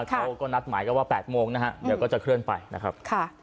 ทั่วพอนับหมายก็ว่าแปดโมงนะเดี๋ยวก็จะเคลื่อนไปนะครับ